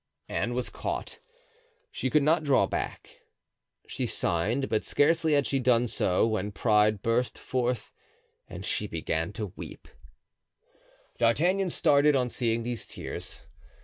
'" Anne was caught, she could not draw back—she signed; but scarcely had she done so when pride burst forth and she began to weep. D'Artagnan started on seeing these tears.